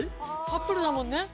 カップルだもんね。